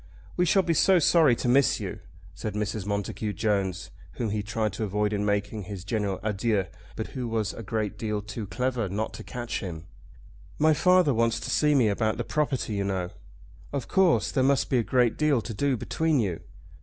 "We shall be so sorry to miss you," said Mrs. Montacute Jones, whom he tried to avoid in making his general adieux, but who was a great deal too clever not to catch him. "My father wants to see me about the property, you know." "Of course. There must be a great deal to do between you."